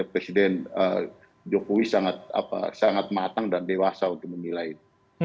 presiden jokowi sangat matang dan dewasa untuk memilih